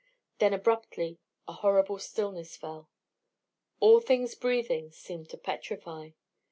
Then, abruptly, a horrible stillness fell. All things breathing seemed to petrify.